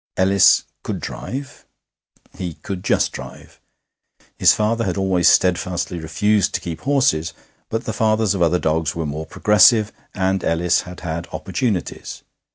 Ellis could drive; he could just drive. His father had always steadfastly refused to keep horses, but the fathers of other dogs were more progressive, and Ellis had had opportunities.